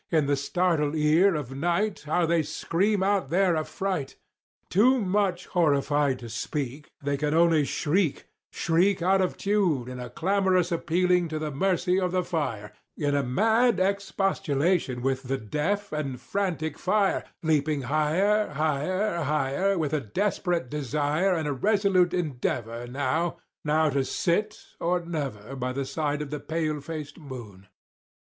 In the startled ear of night How they scream out their affright! Too much horrified to speak, They can only shriek, shriek, Out of tune, In a clamorous appealing to the mercy of the fire, In a mad expostulation with the deaf and frantic fire, Leaping higher, higher, higher, With a desperate desire, And a resolute endeavor Now—now to sit, or never, By the side of the pale faced moon.